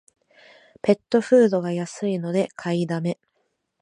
ペットフードが安いので買いだめ